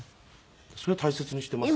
それは大切にしていますね。